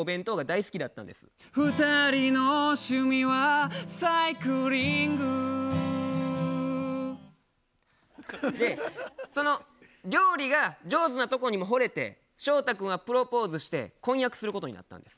「２人の趣味はサイクリング」でその料理が上手なとこにもほれて翔太君はプロポーズして婚約することになったんです。